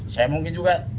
saya mungkin juga